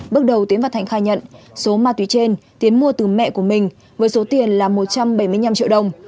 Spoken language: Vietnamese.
bước đầu tiến và thành khai nhận số ma túy trên tiến mua từ mẹ của mình với số tiền là một trăm bảy mươi năm triệu đồng